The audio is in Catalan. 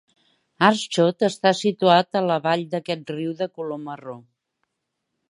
Aarschot està situat a la vall d'aquest riu de color marró.